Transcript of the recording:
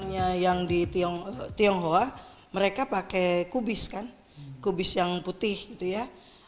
yang di tionghoa mereka pakai kubis kan kubis yang putih gitu ya